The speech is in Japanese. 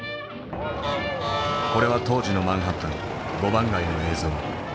これは当時のマンハッタン五番街の映像。